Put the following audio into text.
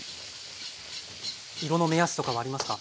色の目安とかはありますか？